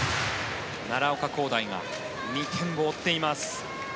奈良岡功大が２点を追っています。